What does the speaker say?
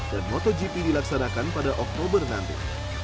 motogp dilaksanakan pada oktober nanti